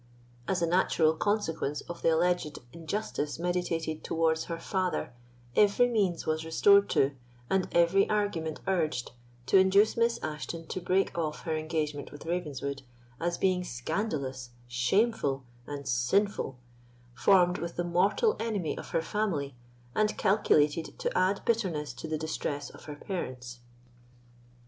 As a natural consequence of the alleged injustice meditated towards her father, every means was restored to, and every argument urged to induce Miss Ashton to break off her engagement with Ravenswood, as being scandalous, shameful, and sinful, formed with the mortal enemy of her family, and calculated to add bitterness to the distress of her parents.